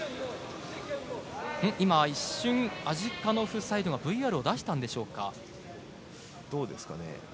今、一瞬アジカノフサイドがＶＲを出したんでしょうか。